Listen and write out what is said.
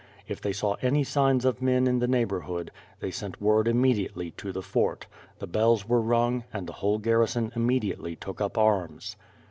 If they saw any sign of men in the neighborhood, thy sent word immediately to the fort; the bells were rung and the whole garrison immediately took up arms.